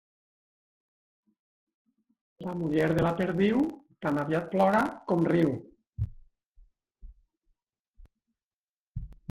La muller de la perdiu, tan aviat plora com riu.